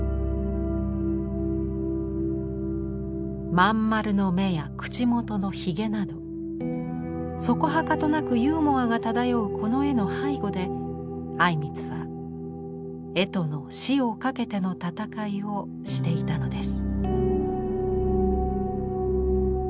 まん丸の眼や口元のひげなどそこはかとなくユーモアが漂うこの絵の背後で靉光は「絵との死をかけての闘い」をしていたのです。